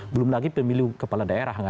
belum lagi pemilu kepala daerah